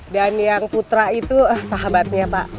dan yang putra itu sahabatnya pak